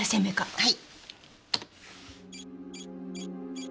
はい。